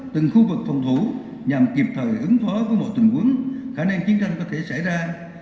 từng khu vực phòng thủ nhằm kịp thời ứng phó với mọi tình huống khả năng chiến tranh có thể xảy ra